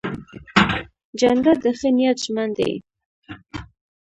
جانداد د ښه نیت ژمن دی.